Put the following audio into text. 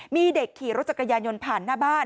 มีเด็กขี่รถจักรยานยนต์ผ่านหน้าบ้าน